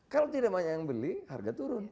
kalau tidak banyak yang beli harga turun